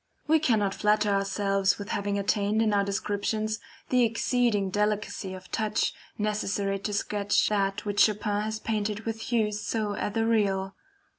We cannot flatter ourselves with having attained in our descriptions the exceeding delicacy of touch, necessary to sketch that which Chopin has painted with hues so ethereal.